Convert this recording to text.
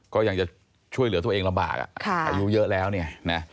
ก็ยังจะช่วยเหลือตัวเองลำบากอ่ะอายุเยอะแล้วเนี่ยนะ